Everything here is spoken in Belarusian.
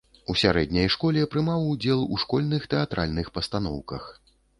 У сярэдняй школе прымаў удзел у школьных тэатральных пастаноўках.